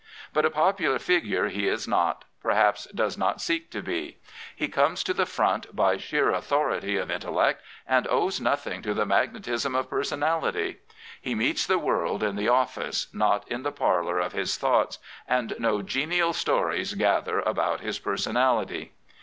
But a popular figure he is not, perhaps does not seek to be. He comes to the front by sheer authority of intellect, and owes nothing to the magnetism of personality. He meets the world in the office, not in the parlour of his thoughts, and no genial stories gather about his personality.